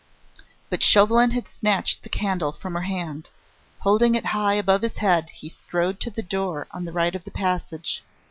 But Chauvelin had snatched the candle from her hand. Holding it high above his head, he strode to the door on the right of the passage.